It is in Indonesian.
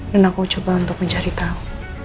dan aku coba untuk mencari tau